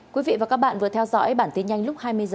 quý vị và các bạn vừa theo dõi bản tin nhanh lúc hai mươi h